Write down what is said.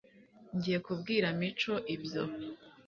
ngiye kubwira mico ibyo